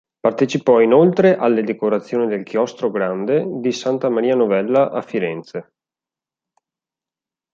Partecipò inoltre alle decorazione del chiostro Grande di Santa Maria Novella a Firenze.